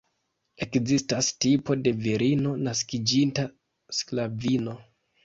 Ekzistas tipo de virino naskiĝinta sklavino.